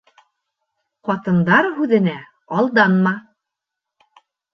Ҡатындар һүҙенә алданма.